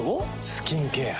スキンケア。